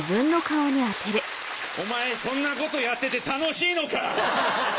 「お前そんなことやってて楽しいのか？」。